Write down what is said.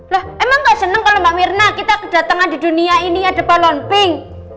lah emang nggak seneng kalau mbak mirna kita kedatangan di dunia ini ya depan lompeng